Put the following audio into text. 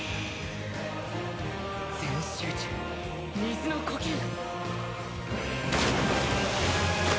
全集中、水の呼吸。